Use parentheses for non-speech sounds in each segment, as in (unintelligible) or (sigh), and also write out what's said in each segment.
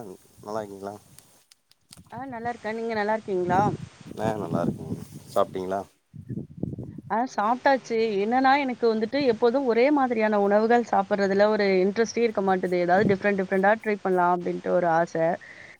அங்க. நல்லா இருக்கீங்களா. ஆஹ நல்லா இருக்கேன் நீங்க நல்லா இருக்கீங்களா. சாப்பிட்டீங்கள்ளா. சாப்டாச்சு என்னன்னா எனக்கு வந்துட்டு எப்போதும் ஒரே மாதிரியான உணவுகள் சாப்பறதுல ஒரு இன்ட்ரெஸ்ட்டே இருக்க மாட்டேது ஏதாவது டிஃப்ரெண்ட் டிஃப்ரண்டா ட்ரை பண்ணலாம் அப்படின்ட்டு ஒரு ஆச.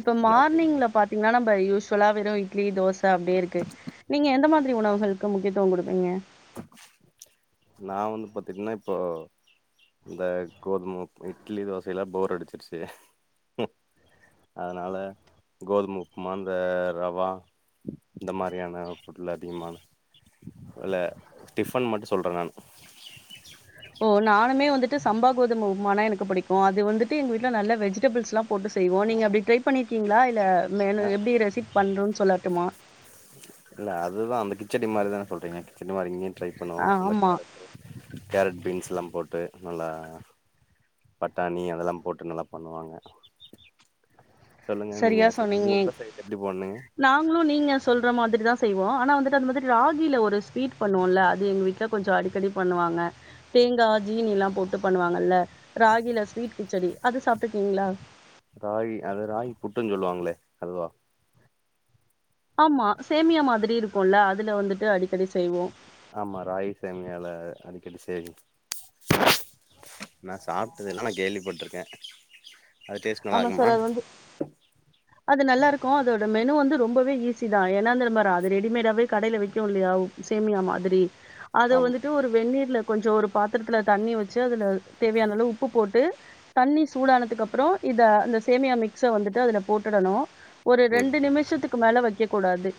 இப்ப நா அப்டிங்களா மார்னிங்ல பாத்தீங்கன்னா நம்ப யூஸ். சுலாவிரம் இட்லி தோச அப்படியே இருக்கு நீங்க எந்த மாதிரி உணவுகளுக்கு முக்கிய. த்துவம் கொடுப்பீங்க. நான் வந்து பாத்தீட்டன்னா இப்போ இந்த கோதும இட்லி தோசையெல்லா போர் அடிச்சிருச்சு ஹஹேஅதனால கோதும உப்புமா இந்த ரவா இந்த மாரியான ஃபுட் எல்லா அதிகமான இல்ல ஸ்டிஃபன் மட்டும் சொல்றேன் நானு. ஓ நானுமேவந்துட்டு சம்பா கோதும உப்புமா எனக்கு புடிக்கும் அது வந்துட்டு எங்க வீட்டுல நல்ல வெஜிடபிள்ஸ் எல்லாம் போட்டு செய்வோம் நீங்க அப்படி ட்ரை பண்ணிருக்கீங்களா இல்ல. மேலும் ஆ எப்படி ரெசிபி. பண்றோன்னு சொல்லட்டுமா. இல்ல அதுதான் அந்த கிச்சடி மாதிரிதானே சொல்றீங்க கிச்சடி. இன்ன மாதிரிங்கேயு ட்ரை ஆ பண்ணுவோம் அந்த ஆமா கேரட்டு கேரட் பீன்ஸ் எல்லாம் போட். போட்டு நல்லா பட்டாணி அதெல்லாம் போட்டு நல்லா பண்ணுவாங்க. சொல்லுங்க நீங்க சரியா சரி சொன்னீங்க உங்க உங்க சைடு எப்டி பண்ணுங்க நாங்களும் நீங்க சொல்ற மாதிரிதா. செய்வோம் ஆனா வந்துட்டு அந்த மாதிரி ராகில ஒரு ஸ்வீட் பண்ணுவோம்ல அது எங்க வீட்டுல கொஞ்சம் அடிக்கடி பண்ணுவாங்க தேங்கா ஜீனி எல்லாம் போட்டு பண்ணுவாங்கல்ல ராகில ஸ்வீட் கிச்சடி அது சாப்பிட்டுருக்கீங்களா. ராகி அது ராகி புட்டுன்னு சொல்லுவாங்களே அதுவா. ஆமா சேமியா மாதிரி இருக். இருக்கும்ல அதுல வந்துட்டு அடிக்கடி செய்வோம். ஆமா ராகி சேமியால அடிக்கடி சரி நான் சாப்பிட்டது இல்ல நான் கேள்விப்பட்டிருக்கேன் ஆமா சார் அது வந்து அது நல்லா இருக்கும் அதோட மெனு வந்து ரொம்பவே ஈஸி தான் ஏனா அது ரெடிமேடாவே கடையில விக்கும் இல்லையா சேமியா மாதிரி அத ஆமா வந்துட்டு ஒரு வென்நீர்ல கொஞ்சம் ஒரு பாத்திரத்துல தண்ணி வச்சு அதுல தேவையான அளவு உப்பு போட்டு தண்ணி சூடானதுக்கு அப்பறம் இத அந்த சேமியா மிக்ஸ் வந்துட்டு அதுல போட்டுடணும் ஒரு ம் ரெண்டு நிமிஷத்துக்கு மேல வைக்க கூடாது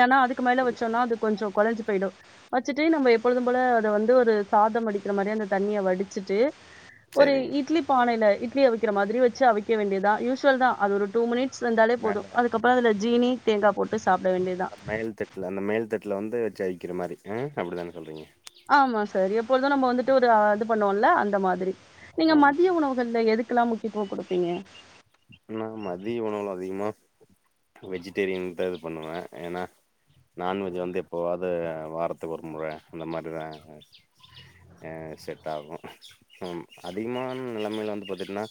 ஏனா அத் துக்கு மேல சரி வச்சோம்னா அது கொஞ்சம் குலஞ் போயிடும் வச்சுட்டு நம்ம எப்பொழுதும் போல அத வந்து ஒரு சாதம் வடிக்கிற மாதிரியி அந்த தண்ணிய வடிச்சிட்டு ஒரு சரிங்க இட்லி பானைல இட்லிய அவு க்கிர மாதிரி வச் வைச்சி அவிக்க வேண்டியது தா யூசுவல் தான் அது ஒரு டூ மினிட் ட்ஸ் வெந்தாலே போதும் அதுக்கப்புறம் அதுல ஜீனி தேங்கா போட்டு சாப்ட வேண்டியதா மேல்தட்டுல அந்த மேல்தட்டுல வந்து ஜெயிக்கிற மாரி ஆ அப்டிதான சொல்றீங்க ஆமா சார் எப்பொழுதும் நம்ம வந்துட்டு ஒரு இது பண்ணோம்ல அந்த மாதிரி நீங்க ஆமா மதிய உணவுகள்ல எதுக் க்கல்லாம் முக்கியத்துவம் கொடுப்பீங்க நா மதிய உணவு அதிகமா வெஜிடேரியன் தான் இது பண்ணுவேன் ஏன்னா நான்வெஜை வந்து எப்போவாவது வாரத்துக்கு ஒருமுற அந்த மாரி தான் செட் ஆகும் அதிகமான நிலைமையில் வந்து பார்த்துட்டன்னா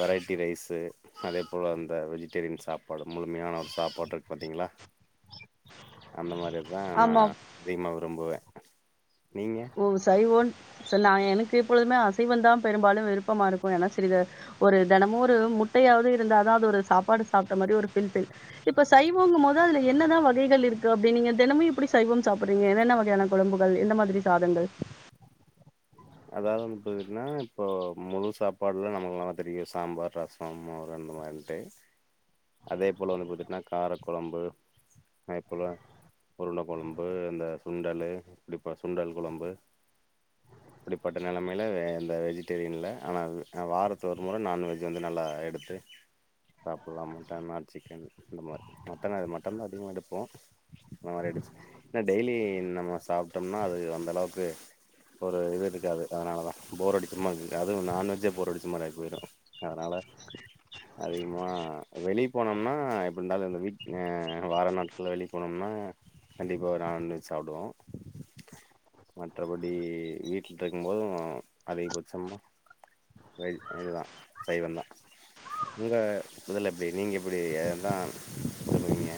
வெரைட்டி ரைஸு அதே போல அந்த வெஜிடேரியன் சாப்பாடு முழுமையான ஒரு சாப்பாடு இருக்கு பார்த்தீங்களா அந்த மாதிரி அதுதான் நான் ஆமா அதீமா நா விரும்புவேன் (inaudible) ஓ சரி ஒ நா எனக்கு எப்பொழுதுமே அசைவம் தான் பெரும்பாலும் விருப்பமா இருக்கும் ஏன்னா சிறிது ஒரு தினமும் ஒரு முட்டையாவது இருந்த தான் அது ஒரு சாப்பாடு சாப்பிட்ட மாரி ஒரு ப இப்ப சைவம்ங்கும் போது அதுல என்னதான் வகைகள் இருக்கு அப்படிங்க தினமும் இப்படி சைவம் சாப்பிடுறீங்க என்னென்ன வகையான குழம்புகள் எந்த மாதிரி சாதங்கள் அதாவது வந்து பாத்தீங்கன்னா இப்போ முழு சாப்பாடுலாம் நமளுக்கு நல்லா தெரியும் சாம்பார் ரசம் மோர் அந்தமாதிரி அதே போல வந்து பாத்தீங்கன்னா கார குழம்பு அதே போல உருண்ட குழம்பு இந்த சுண்டல்ு இப்ப சுண்டல் குழம்பு அப்டிபட்ட நிலமையில் இந்த வெஜிடேரியன்ல ஆனா வாரத்து ஒரு முறை நான்வெஜ் வந்து நல்லா எடுத்து சாப்பிட்லாம் மட்டன் ஆர் சிக்கன் இந்த மாரி மட்டன் அது மட்டன் தான் அதிகமாக எடுப்போம் இந்தந்த மாரி எடுச்ச இன்னா டெய்லி நம்ம சாப்பிட்டோம்னா அது அந்த அளவுக்கு ஒரு இது இருக் காது அதனால தான் போர் அடிச்ச மாறி அதுவும் நான்வெஜ்ஜே போர் அடிச்ச மாரி ஆயி போயிடும் அதனால அதிகமா வெளியே போனோம்னா எப்டி இருந்தாலும் வ வார நாட்கள் வெளிய போனோம்னா கண்டிப்பா நான்வெஜ் சாப்பிடுவோம் மற்றபடி வீட் (unintelligible) இருக்கும் போதும் அதிகபட்சமாக இது தான் சைவந்தான் உங்க இதுல எப்டி நீங்க எப்டி தான் சொல்லுவீங்க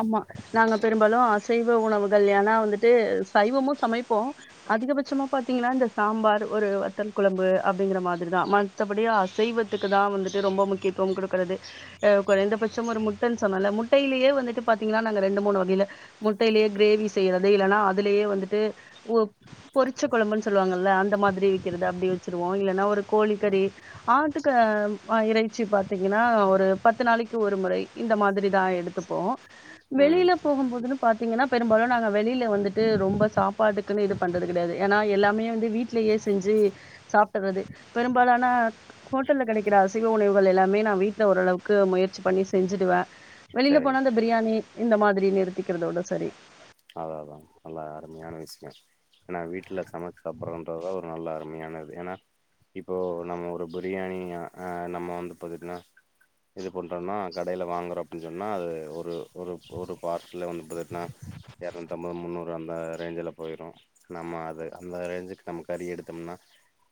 ஆமா நாங்க பெரும்பாலும் அசைவ உணவுகள் ஏன்னா வந்துட்டு சைவமும் சமைப்போம் அதிகபட்சமா பார்த்தீங்கன்னா இந்த சாம்பார் ஒரு வத்தல் குழம்பு அப்படிங்கிற மாதிரிதான் மதபடி அசைவத்துக்கு தான் வந்துட்டு ரொம்ப முக்கியத்துவம் கொடுக்கறது அஹ் குறை இந்தபட்சம் ஒரு முட்டைன்னு சொன்னல முட்டையிலேயே வந்துட்டு பார்த்தீங்கன்னா நாங்க ரெண்டு மூணு வகையில் முட்டையிலேயே கிரேவி செய்கிறது இல்லைன்னா அதுலேயே வந்துட்டு ஓ பொறிச்ச குழம்புன்னு சொல்லுவாங்கள்ல்ல அந்த மாதிரி விற்கிறது அப்படி வச்சுருவோம் இல்லன்னா ஒரு கோழிக்கறி ஆட்டுக்கு இறைச்சி பார்த்தீங்கன்னா ஒரு பத்து நாளைக்கு ஒரு முறை இந்த மாதிரி தான் எடுத்துப்போம் ம் வெளியில போகும் போதுன்னு பாத்தீங்கன்னா பெரும்பாலும் நாங்க வெளியில வந்துட்டு ரொம்ப சாப்பாடுக்குன்னு இது பண்றது கிடையாது ஏன்னா எல்லாமே வந்து வீடலேயே செஞ்சு சாப்டறது பெரும்பாலானா ஹோட்டல்ல கிடைக்கிற அசைவ உணவுகள் எல்லாமே நான் வீட்டுல ஓரளவுக்கு முயற்சி பண்ணி செஞ்சுடுவேன் வெளியில சரிங்க போனா அந்த பிரியாணி இந்த மாதிரி நிறுத்திக்கிறதோட சரி அதா நா வீட்ல சமைச்சு சாப்பிடறன்றத ஒரு நல்ல அருமையானது ஏன்னா இப்போ நம்ம ஒரு பிரியாணி ஹ நம்ம வந்து பார்த்தட்டனா இது பண்றோம்னா கடைல வாங்குறோம் அப்படின்னு சொன்னன்னா அது ஒரு ஒரு ஒரு பார்சாலா வந்து பார்த்தட்டன்னா இரநூத்தம்பது முன்னூறு அந்த ரேஞ்சல போயிரும் நம்ம அது அந்த ரேஞ்சுக்கு நம்ம கறி எடுத்தோம்னா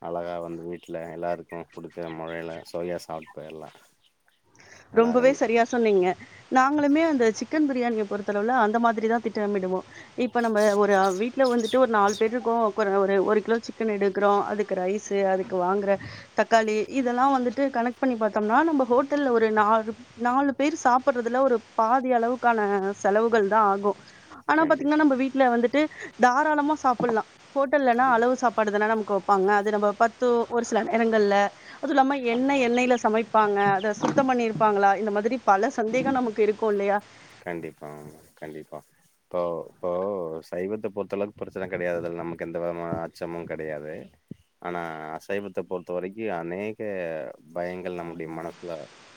அழகா வந்து வீட்டில் எல்லாருக்கும் புடிச்ச முறையில சுவையா சாப்பிட்டு போயிர்லாம் ரொம்பவே சரியா சொன்னீங்க நாங்களுமே அந்த சிக்கன் பிரியாணிய பொறுத்தளவுல அந் ந்த மாதிரி தான் திட்டமிடுவோம் இப்ப நம்ம ஒரு வீட்டுல வந்துட்டு ஒரு நாலு பேருக்கும் ஒரு கிலோ சிக்கன் எடுக்கிறோம் அதுக்கு ரைஸ் அதுக்கு வாங்குற தக்காளி இதெலாம் வந்துட்டு கணக்கு பண்ணீத்தோம்னா நம்ப ஹோட்டல வந்து ஒரு நாலு நாலு பேர் சாப்படுறதுல ஒரு பாதி அளவுக்கான செலவுகள் தான் ஆகும் ஆனா கேண்டிட் பாத்தீங்கன்னா நம்ம வீட்ல வந்துட்டு தாராளமா சாப்பிடலாம் ஹோட்டல்லன்னா அளவு சாப்பாடுதுதா நமகு வேப்பாங்க அது நம்ம பத்து ஒரு சில நேரங்கள்ல அது இல்லாம என எண்ணெ ஆமா எண்ணெய்ல சமைப்பாங்க அத சுத்தம் பண்ணிருப்பாங்களா இந்த மாரி பல சந்தேகம் நமக்கு இருக்கும் இல்லயா கண்டிப்பா கண்டிப்பா இப்போ இப்போ சைவத்த பொறுத்தளவுக்கு பிரச்சன கெடயாது அதுல நமக்கு எந்த விதமான அச்சமும் கெடயாது ஆனா அசைவத்த பொறுத்த வரைக்கும் அநேக பயங்கள் நம்முடைய மனசுல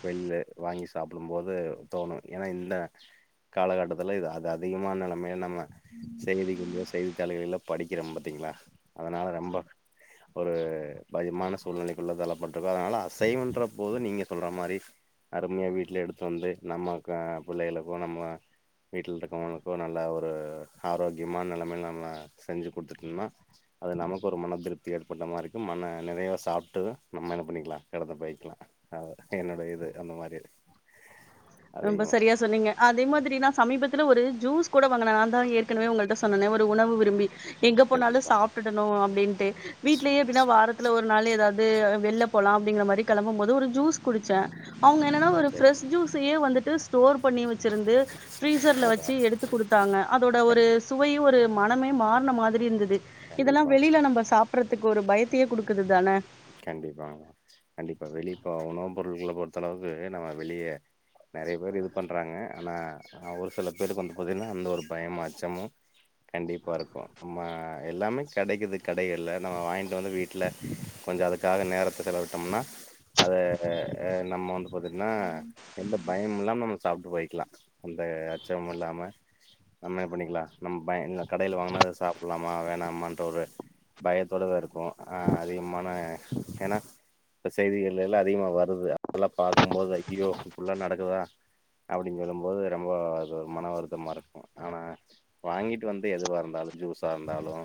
வெல வாங்கி சாப்பிடும் போது தோணும் ஏனா இந்த காலகட்டத்துல இது அது அதிகமான நிலமையில நம்ம செய்திக்குள்ள செய்தித்தாளகளில படிக்கிறோம் பாத்தீங்களா அதனால ரொம்ப ஒரு பயாமான சூழ்நிலைக்குள்ள தளப்பட்டிருக்கோ அதனால அசைவன்ற போது நீங்க சொல்ற மாரி அருமையா வீட்டுல எடுத்து வந்து நம்ம பிள்ளகள நம்ம வீட்டுல இருக்கவங்களுக்கோ நல்ல ஒரு ஆரோக்கியமான நிலமையில நம்ம செஞ்சு கொடுத்துட்டோம்னா அது நமக்கு ஒரு மனதிருப்தி ஏற்பட்ட மாரி இருக்கும் மன நெறைவ சாப்பிட்டு நம்ம என்ன பண்ணிக்கலாம் கடைத்த போய்க்கலாம் அ என்னனுடைய இது அந்த மாரி ரொம்ப அதிகமா சரியா சொன்னீங்க அதேம திரி சமீபத்துல ஒரு ஜூஸ் கூட வாங்க நான் தான் ஏற்கனவே உங்கள்ட்ட சொன்னே ஒரு உணவு விரும்பி எங்க போனாலும் கண்டிப்பா சாப்பிடிடணும் அப்டின்ட்டு வீடலயே எப்டின்னா வாரத்துல ஒரு நாள் அதாது வெள்ளை போலாம் அப்டிங்கற மாரி கிளம்பும் போது ஒரு ஜூஸ் குடிச்சேன் அவங்க என்னன்னா ஒரு சரி ஃப்ரெஷ் ஜூஸ் வந்துட்டு ஸ்டோர் பண்ணி வ ச்சு இருந்து ஃபிரீசர்ல அதா வச்சு எடுத்து குடுத்தாங்க அதோட ஒரு கண்டி சுவையும் ஒரு மனமே மார்ன மாதிரி இருந்தது இதெல்லாம் கண்டிப்பா வெளியில நம்ம சாப்பறதுக்கு ஒரு பயத் த்தியே குடுக்குது தானே கண்டிப்பா கண்டிப்பா வெளிப்பா உணவு பொருட்களை பொறுத்த அளவுக்கு நம்ம வெளிய நெறைய பேர் இது பண்றாங்க ஆனா ஒரு சில பேருக்கு வந்து பாத்தீங்கன்னா அந்த ஒரு பயமும் அச்சமும் கண்டிப்பா இருக்கும் நம்ம எல்லாமே கெடைக்குது கடைகள்ல்ல நம்ம வாங்கிட்டு வந்து வீட்டுல கொஞ்சம் அதுக்காக நேரத்த செலவிட்டோம்னா அத நம்ம வந்து பாத்தீங்கனா எந்த பயமும் இல்லாமல் நம்ம சாப்பிட்டு போயக்கலாம் அந்த அச்சமும் இல்லாம நம்ம பண்ணிக்கலாம் நம்ம பய இ கடையில வாங்கினா அத சாப்பிடலாமா வேணாமன்ற ஒரு பயத்தோடவே இருக்கும் அதிகமா ஆனால் ஏனா செய்திகள் எல்லாம் அதிகமாக வருது அதெல்லாம் பாக்கும்போது ஐயோ ஃபுல்லா நடக்குதா அப்டின்னு சொல்லும் போது ரொம்ப அது ஒரு மன வருத்தமா இருக்கும் ஆனால் வாங்கிட்டு வந்து எதுவா இருந்தாலும் ஜூஸா இருந்தாலும்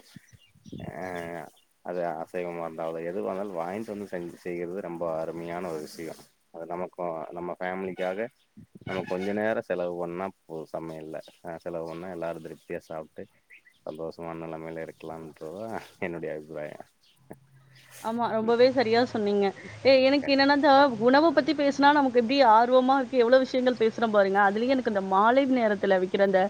அது அசைவமா இருந்த அத எது வந்தாலும் வாங்கி வந்து செஞ்ச செய்கிறது ரொம்ப அருமையான ஒரு விஷயம் அது நமக்கு நம்ம ஃபேமிலிக்காக நம்ம கொஞ்சம் நேரம் செலவு பண்ணா சமையல்ல செலவு பண்ணா எல்லாரும் திருப்தியா சாப்பிட்டு சந்தோஷமான நிலமையல இருக்கலாம்ன்றதான் என்னுடைய அபிப்பிராயம் ஆமா ரொம்பவே சரியா சொன்னீங்க ஏ எனக்கு என்னன்னா த உணவை பத்தி பேசுனா நமக்கு எப்டி ஆர்வமா இருக்கு எவ்ளவு விஷயங்கள் பேசுற பாருங்க அதுலய எனக்கு அந்த மாலை நேரத்தில்ல விக்கிற அந்த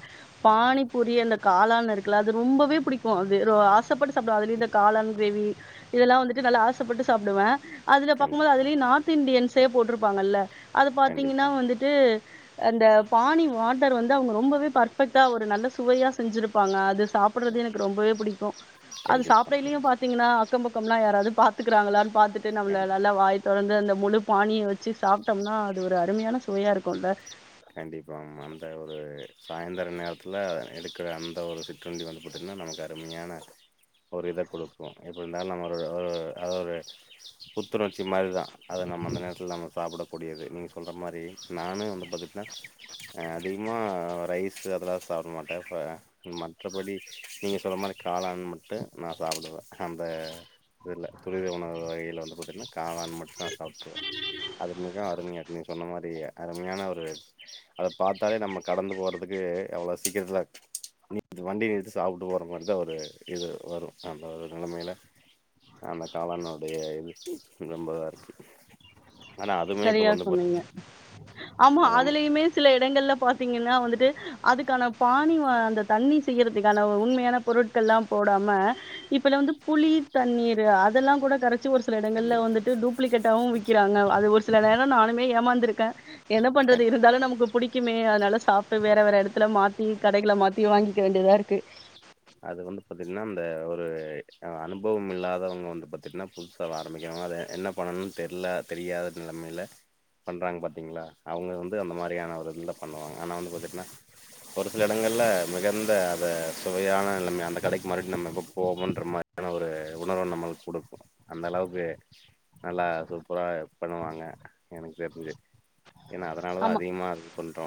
பானிபுரி அந்த காளான்னு இருக்குல அது ரொம்பவே பிடிக்கும் அது ஆசைப்பட்டு சாப்டுவன் அந்த காளான்கிரேவி இதெலாம் வந்துட்டு நல்லா ஆசப்பட்டு சாப்பிடுவேன் அதுல பாக்கும்போது கண்டிப்பாங்க அதுலயே நார்த் இண்டியன்ஸே போட்டிருப்பாங்கல்ல அது பாத்தீங்கன்னா கண்டிப்பாங்க வந்துட்டு அந்த பானி வாட்டர் வந்து அவங்க ரொம்பவே பார்த் க ஒரு நல்ல சுவையா செஞ்சிருப்பாங்க அது சாப்பிடறது எனக்கு ரொம்பவே பிடிக்கும் அது சாப் கண்டிப்பாங்க டையிலே பாத்தீங்கன்ன அக்கம்பக்கம்லாம் யாராது பாத்துக்கறாங்களானு ப பாத்துட்டு நம்மள கண்டிப் நல்லா வாய் தொடர்ந்து அந்த முழு பானிய வச் வச்சி சாப்பிட்டோம்னா அது ஒரு அருமையான சுவயா இருக்கும்ல்ல கண்டிப்பா மா அந்த ஒரு சாயந்தர நேரத்துல எடுக்கிற அந்த ஒரு சிற்றுண்டி வந்து பாத்திங்கன நமக்கு அருமையான ஒரு இத கொடுக்கும் எப்படி இருந்தாலும் நம்ம ஒரு அ ஒரு புத்துணர்ச்சி மாரிதான் அத நம்ம அந்த நேரத்துல நம்ம சாப்பிடக்கூடியது நீங்க சொல்ற மாரி நானும் வந்து பாத் த அதிகமாக ரைஸு அதெல்லாம் சாப்பிட மாட்டேன் இப்போ மற்றபடி நீங்கள் சொல்ற மாரி காளாண மட்டும் நான் சாப்பிடுவேன் அந்த இதுல துரித உணவு வகையில வந்து பார்த்தீங்கன்னா காளான் மட்டும் தான் சாப்பிடுவேன் அது மிக அருமையா நீங்க சொன்ன மாரி சரிய அருமையான ஒரு அத பார்த்தாலே நம்ம கடந்து போறதுக்கு எவ்வளவு சீக்கிரத்துல நீ வண்டி நிறுத்தி சாப்பிட்டு போற மாரி தான்ஒரு இது வரும் அந்த ஒரு நிலமையில அந்த காளானுடைய இது ரொம்பதா இருக்கு ஆனா அதுமே இப்ப சரியா வந்து சொன்னீங்க பாத்தீங்கன்னா ஆமா அதுலயுமே சில இடங்கள்ல பார்த்தீங்கன்னா வந்துட்டு அதுக்கான பாணி அந்த தண்ணி செய்யறதுக்கான உண்மையான பொருட்கள் எல்லாம் போடாம இப்பல வந்து புளி தண்ணீர் அதெல்லாம் கூட கர ச்சி ஒரு சில இடங்களல கண்டிப்பா வந்துட்டு டூப்ளிகேட்டவும் விக்கிறாங்க அது ஒரு சில நேரம் நானுமே ஏமாந்துிருக்கேன் என்ன பண்றது கண்டிப்பா இருந்தாலும் நமக்கு புடிக்குமே அதனால சாப்பட்டு வேற வேற இடத்துல மாத்தி கடைகள மாத்தியும் வாங்கிக்க வேண்டியதா இருக்கு அது வந்து பாத்தீங்கன்னா அந்த ஒரு அனுபவம் இல்லாதவங்க வந்து பாத்தீங்கன்னா புதுசா ஆரம்பிக்கிறவங்க அத என்ன பண்ணணும்னு தெர்ல தெரியாத நிலமையில பண்றாங்க பாத்தீங்களா அவங்க வந்து அந்த மாரியான ஒருல பண்ணுவாங்க ஆனா வந்து பாத்தீங்கன்னா ஒரு சில இடங்கள்ல மிகந்த அத சுவையான நிலம அந்த கடைக்கு மறுடி நம்ம இப்ப போவோன்ற மாரியான ஒரு உணர்வு நம்மளுக்கு கொடுக்கும் அந்த அளவுக்கு நல்லா சூப்பரா பண்ணுவாங்க எனக்கு தெரிஞ்சு ஏன்னா அதனாலதான் ஆமா. அதிகமா சொல் ட்டோ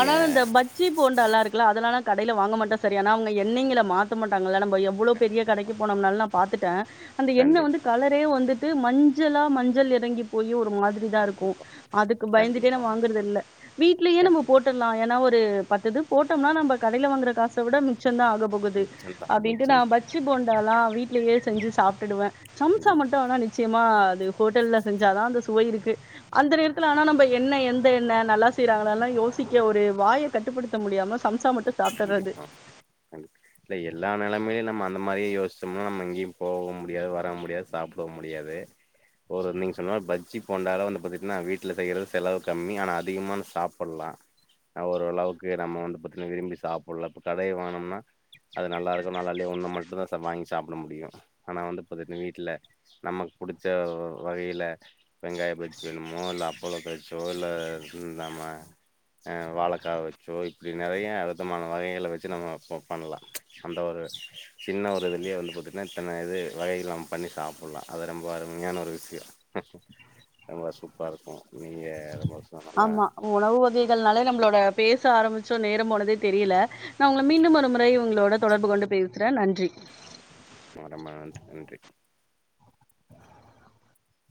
ஆனா இந்த பச்சி போண்டயில்லாம் இருக்கல அதெலான க கடையில வாங்க மாட்டோம் சரி ஆன அவங்க எண்ணெய்ங்கள மாத்த மாட்டாங்கள நம்ப நம்ப எவ்வளவு பெரிய கடைக்கு போனம்னால நான் பாத்துட்டேன் அந்த எண்ணெய் கண்டிப்பா வந்து கலரே வந்துட்டு ட்டு மஞ்சளா மஞ்சள் இறங்கி போய் ஒரு மாதிரி தான் இருக்கும் கண்டிப்பா அதுக்கு பயந்துட்டே ந கண்டிப்பாங்க வாங்குறத இல்ல வீடலயே கண்டிப்பா நம்ம ஏன்னா ஒரு பத்தது போட்டோம்னா நம்ம கடைல வாங்குற காச விட மிச்ச சம் தான் ஆக போகுது மிச்சந்தா அப்படின்டு மிச்சந்தா நான் பஜ்ஜி போண்டால்லாம் வீட்லயே செஞ்சு சாப்பிடுவேன் சம்சா கண்டிப்பா மட்டும் நிச்சயமா அது ஹோட்டல்ல செஞ்சாதான் அந்த சுவை இருக்கு அந்த நேரத்தில ஆனா நம்ம என்ன எந்த என்ன நல்லா செய்றாங்களன்லாம் யோ சிக்க ஒரு வாய கட்டுப்படுத்த முடியாம சம்சா மாட் கண்டிப்பா கண்டி இல்ல எல்லா நிலமையும் நம்ம அந்த மா மாறியே யோசிச்சோம்னா நம்ம எங்கயும் போக முடியாது வர முடியாது சாப்பிட முடியாது ஒரு நீங்க சொன்ன பஜ்ஜி போண்டால வந்து பாத்தீகனா வீட்டுல செய்யற செலவு கம்மி ஆனா அதிகமா சாப்பிடலாம் ஓரளவுக்கு நம்ம வந்து பாத்தீகன விரும்பி சாப்பிடல இப்போ கடய வாங்குனோம்னா அது நல்லா இருக்கும் நாலாலயோ ஒன்னு மட்டும் தான் வாங்கி சாப்பிட முடியும் ஆனா வந்து பாத்துட்டீங்கன வீட்டில நமக்கு புடிச்ச வகையில வெங்காய பச்சி வேணுமோ இல்ல அப்பள பச்சோ இல்ல இந்தம்ம வாழைக்கா வச்சோ இப்படி நெறைய அத சுத்தமான வகைகள வச்சு நம்ம அப்பப் பண்ணலாம் அந்த ஒரு சின்ன ஒரு இதுலயே வந்து பார்த்தீங்கன்னா இத்தன இது வகைகள நம்ம பண்ணி சாப்பிடலாம் அது ரொம்ப அருமையான ஒரு விஷயம் ரொம்ப சூப்பர இருக்கும் நீங்க ரொம்ப நல்லா ஆமா உணவு வகைகள்னாலே நம்மளோட பேச ஆரம்பிச்சோம் நேரம் போனதே தெரியல நான் உங்கள மீண்டும் ஒரு முறை உங்களோட தொடர்பு கொண்டு பேசுறேன் நன்றி ம் ரொம்ப நன்றி நன்றி